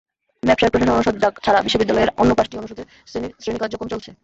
ব্যবসায় প্রশাসন অনুষদ ছাড়া বিশ্ববিদ্যালয়ের অন্য পাঁচটি অনুষদে শ্রেণি কার্যক্রম চলেছে।